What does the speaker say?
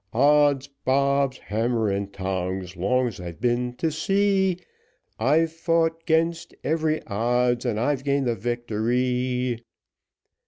Odds bobs, hammer and tongs, long as I've been to sea, I've fought 'gainst every odds and I've gained the victory.